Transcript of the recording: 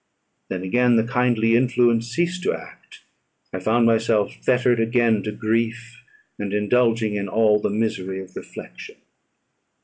Then again the kindly influence ceased to act I found myself fettered again to grief, and indulging in all the misery of reflection.